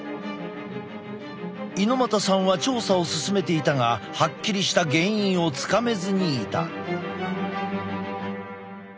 猪又さんは調査を進めていたがはっきりした原因をつかめずにいた。